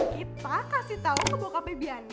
kita kasih tau ke bokapnya bianca